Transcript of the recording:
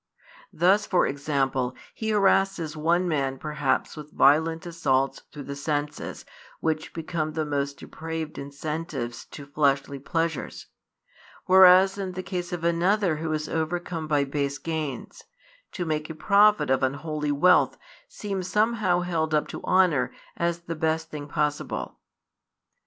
Thus, for example, he harasses one man perhaps with violent assaults through the senses which become the most depraved incentives to fleshly pleasures; whereas in the case of another who is overcome by base gains, to make a profit of unholy wealth seems somehow held up to honour as the best thing possible.